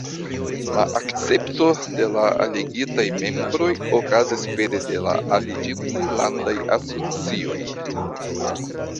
La akcepto de la aligitaj membroj okazas pere de la aliĝintaj landaj asocioj.